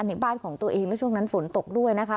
ในบ้านของตัวเองและช่วงนั้นฝนตกด้วยนะคะ